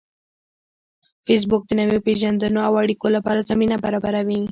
فېسبوک د نویو پیژندنو او اړیکو لپاره زمینه برابروي